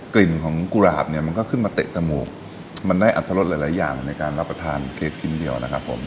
กลิ่นของกุหลาบเนี่ยมันก็ขึ้นมาเตะจมูกมันได้อัตรรสหลายหลายอย่างในการรับประทานเค้กชิ้นเดียวนะครับผม